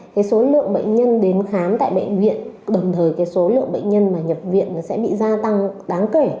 cái số lượng bệnh nhân đến khám tại bệnh viện đồng thời cái số lượng bệnh nhân mà nhập viện sẽ bị gia tăng đáng kể